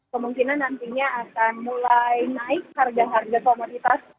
kemungkinan nantinya akan mulai naik harga harga komoditas